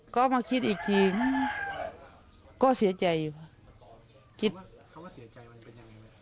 ก็มาคิดอีกทีก็เสียใจอยู่คิดว่าคำว่าเสียใจมันเป็นยังไง